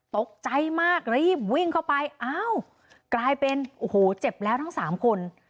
ตกใจมากรีบวิ่งเข้าไปอ้าวกลายเป็นโอ้โหเจ็บแล้วทั้งสามคน